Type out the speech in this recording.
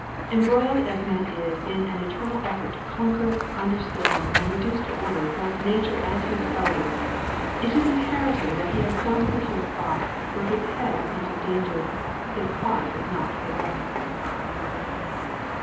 Embroiled as man is in an eternal effort to conquer, understand, and reduce to order both nature and his fellows, it is imperative that he have some secure spot where his head is not in danger, his heart is not harassed.